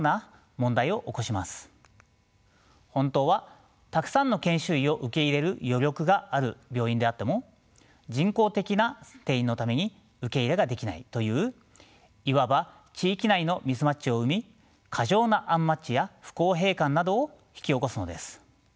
本当はたくさんの研修医を受け入れる余力がある病院であっても人工的な定員のために受け入れができないといういわば地域内のミスマッチを生み過剰なアンマッチや不公平感などを引き起こすのです。